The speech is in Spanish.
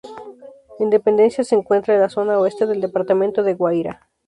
Independencia se encuentra en la zona oeste del departamento de Guairá.